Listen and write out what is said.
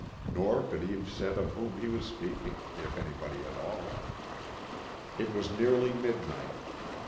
Nor could he have said of whom he was speaking, if anybody at all. It was nearly midnight.